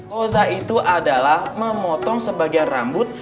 koza itu adalah memotong sebagian rambut